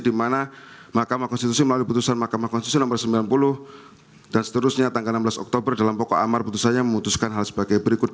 di mana mahkamah konstitusi melalui putusan mahkamah konstitusi nomor sembilan puluh dan seterusnya tanggal enam belas oktober dalam pokok amar putusannya memutuskan hal sebagai berikut